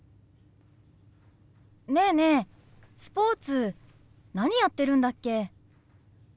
ねえねえスポーツ何やってるんだっけ？